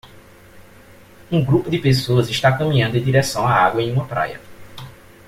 Um grupo de pessoas está caminhando em direção à água em uma praia